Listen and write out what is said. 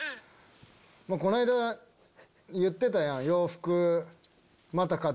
この間言ってたやん。